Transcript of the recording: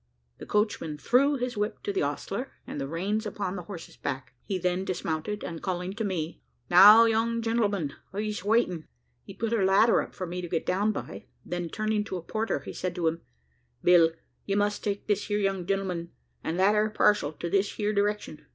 The coachman threw his whip to the ostler, and the reins upon the horses' back; he then dismounted, and calling to me, "Now, young gentleman, I'se waiting," he put a ladder up for me to get down by; then turning to a porter, he said to him, "Bill, you must take this here young gem'man and that ere parcel to this here direction.